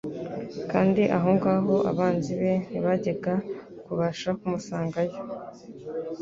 kandi aho ngaho abanzi be ntibajyaga kubasha kumusangayo.